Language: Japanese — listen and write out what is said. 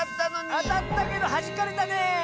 あたったけどはじかれたね。